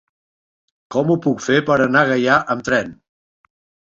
Com ho puc fer per anar a Gaià amb tren?